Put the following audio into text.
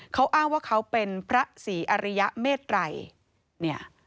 เขาอ้างว่าเขาเป็นพระศรีอริยเมตรัยเนี่ย